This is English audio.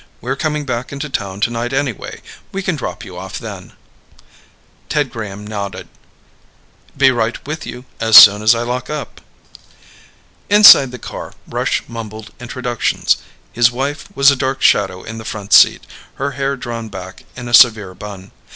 "We're coming back into town tonight anyway. We can drop you off then." Ted Graham nodded. "Be right with you as soon as I lock up." Inside the car, Rush mumbled introductions. His wife was a dark shadow in the front seat, her hair drawn back in a severe bun.